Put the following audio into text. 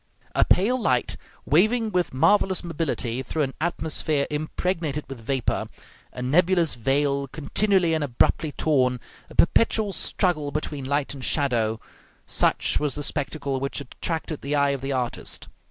A pale light, waving with marvelous mobility through an atmosphere impregnated with vapor, a nebulous veil continually and abruptly torn, a perpetual struggle between light and shadow, such was the spectacle which attracted the eye of the artist.